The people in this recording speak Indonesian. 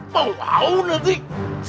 mau ngawur deh sih